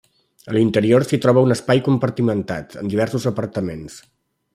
A l'interior s'hi troba un espai compartimentat, amb diversos apartaments.